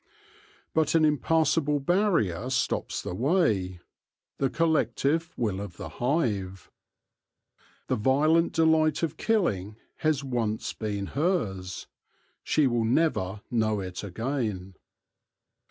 But an impassable barrier stops the way — the col lective will of the hive. The violent delight of killing has once been hers ; she will never know it again.